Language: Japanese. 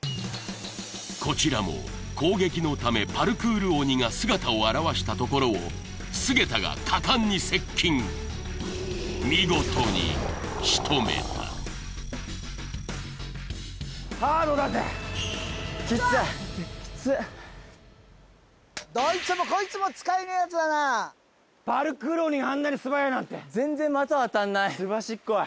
こちらも攻撃のためパルクール鬼が姿を現したところを菅田が果敢に接近見事にしとめたハードだぜ・きついパルクール鬼があんなに素早いなんて全然的当たんないすばしっこい